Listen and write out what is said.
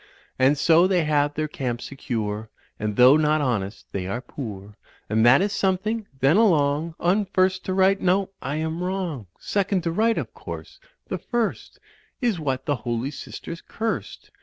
And so they have their camp secure. And, though not honest, they are poor, And that is something; then along And first to right — no, I am wrong! i Second to right, of course; the first Is what the holy sisters cursed.